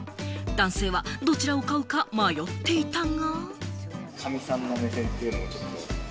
男性は、どちらを買うか迷っていたが。